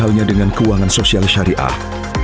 dan halnya dengan keuangan sosial syariah